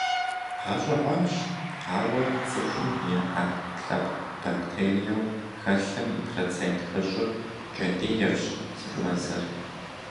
Гъэщӏэгъуэнщ, ауэ цӏыхум и ӏэпкълъэпкъым бактериеу хэлъым и процент хыщӏыр кӏэтӏийрщ зыхуэзэр.